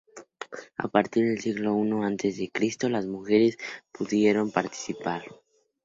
A partir del siglo I a. C. las mujeres pudieron participar.